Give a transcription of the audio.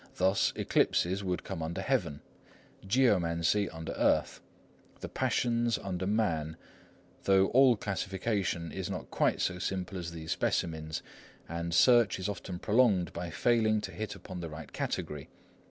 Thus, Eclipses would come under Heaven, Geomancy under Earth, the Passions under Man, though all classification is not quite so simple as these specimens, and search is often prolonged by failing to hit upon the right Category.